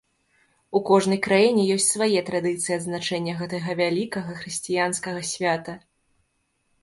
У кожнай краіне ёсць свае традыцыі адзначэння гэтага вялікага хрысціянскага свята.